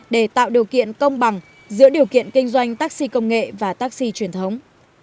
để tạo điều kiện công bằng giữa điều kiện kinh doanh taxi công nghệ và taxi truyền thống